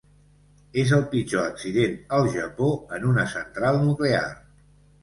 És el pitjor accident al Japó en una central nuclear.